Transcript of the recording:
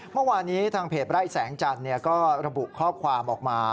เมื่อวานนี้ทางเพจไร่แสงจันทร์ก็ระบุข้อความออกมา